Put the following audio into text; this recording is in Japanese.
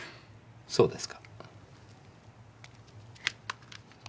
そうですか。